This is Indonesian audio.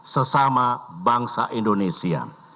sesama bangsa indonesia